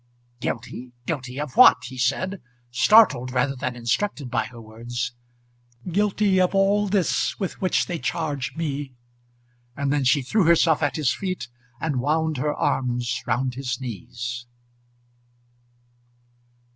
"Guilty! Guilty of what?" he said, startled rather than instructed by her words. "Guilty of all this with which they charge me." And then she threw herself at his feet, and wound her arms round his knees.